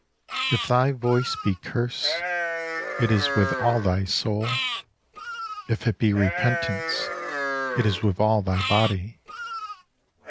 If thy voice be curse. It is with all thy soul. If it be repentance^ It is with all thy body.